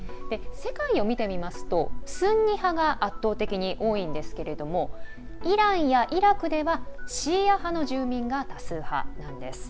世界を見てみますとスンニ派が圧倒的に多いんですけれどもイランやイラクではシーア派の住民が多数派なんです。